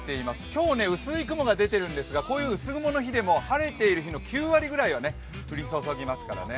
今日、薄い雲が出ているんですがこういう薄雲の日でも晴れている日の９割ぐらいは降り注ぎますのでね。